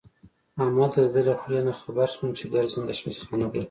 همالته د ده له خولې نه خبر شوم چې ګرځنده اشپزخانه به.